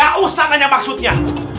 gak usah nanya maksudnya